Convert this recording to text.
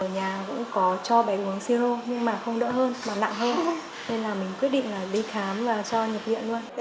ở nhà cũng có cho bé uống siêu hô nhưng mà không đỡ hơn mà nặng hơn nên là mình quyết định là đi khám và cho nhập viện luôn